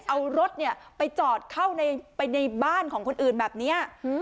เอารถไปจอดเข้าไปในบ้านของคนอื่นแบบนี้